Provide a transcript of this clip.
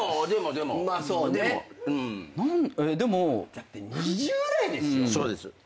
だって２０代ですよ。